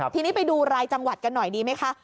ทีนี้ไปดูรายจังหวัดกันหน่อยดีไหมคะ